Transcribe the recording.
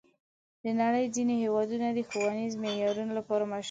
د نړۍ ځینې هېوادونه د ښوونیزو معیارونو لپاره مشهور دي.